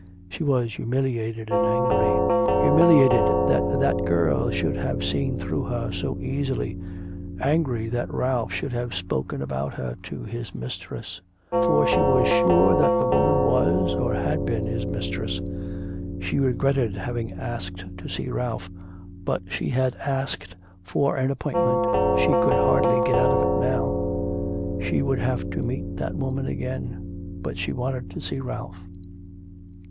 She was humiliated and angry, humiliated that that girl should have seen through her so easily, angry that Ralph should have spoken about her to his mistress; for she was sure that the woman was, or had been, his mistress. She regretted having asked to see Ralph, but she had asked for an appointment, she could hardly get out of it now.... She would have to meet that woman again, but she wanted to see Ralph.